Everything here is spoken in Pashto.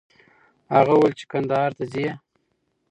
هغه وویل چې کندهار ته ځي.